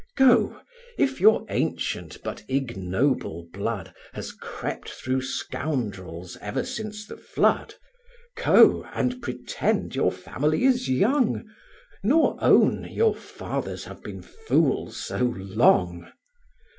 Go! if your ancient, but ignoble blood Has crept through scoundrels ever since the flood, Go! and pretend your family is young; Nor own, your fathers have been fools so long.